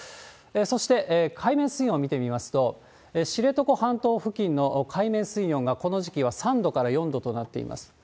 そして、海面水温見てみますと、知床半島付近の海面水温が、この時期は３度から４度となっています。